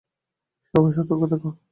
সবাই সতর্ক থাক!